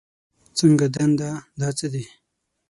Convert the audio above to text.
څنګه دنده، دا څه دي؟